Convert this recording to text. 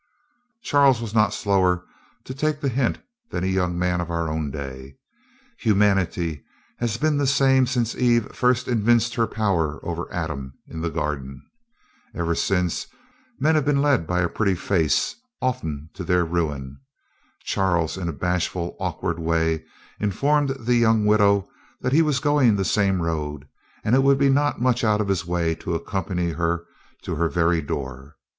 Charles was not slower to take the hint than a young man of our own day. Humanity has been the same since Eve first evinced her power over Adam in the garden. Ever since, men have been led by a pretty face often to their ruin. Charles, in a bashful, awkward way, informed the young widow that he was going the same road, and it would not be much out of his way to accompany her to her very door.